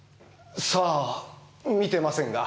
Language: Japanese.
さあ見てませんが。